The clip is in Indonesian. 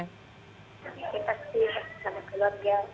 pasti harus dikeluarkan keluarga